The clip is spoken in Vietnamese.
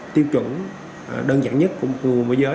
tiêu chuẩn đơn giản nhất của người dưới